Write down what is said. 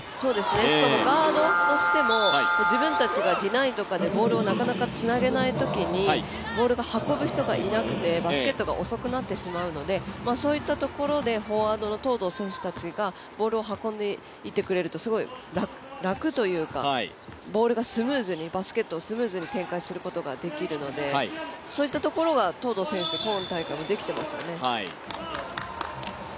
しかもガードとしても自分たちがディナイとかでボールがなかなか、つなげないときにボールが運ぶ人がいなくてバスケットが遅くなってしまうのでそういったところでフォワードの東藤選手たちがボールを運んでいってくれるとすごい楽というか、ボールがスムーズに、バスケットをスムーズに展開することができるのでそういったところが東藤選手、今大会できてますよね。